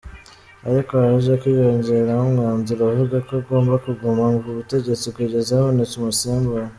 Ariko haje kwiyongeramo umwanzuro uvuga ko agomba kuguma ku butegetsi kugeza habonetse umusimbura.